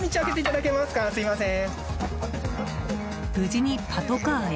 無事にパトカーへ。